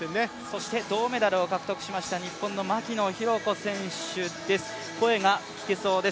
そして銅メダルを獲得しました日本の牧野紘子選手です。